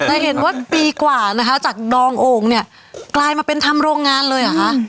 แต่เห็นว่าปีกว่านะคะจากดองโอ่งเนี่ยกลายมาเป็นทำโรงงานเลยเหรอคะ